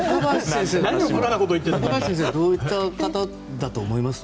中林先生はどういう方だと思いますか？